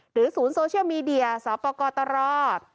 หรือศูนย์โซเชียลมีเดียสอปกตร์ตลอด